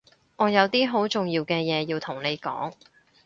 我有啲好重要嘅嘢要同你講